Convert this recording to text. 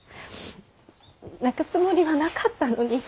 泣くつもりはなかったのに。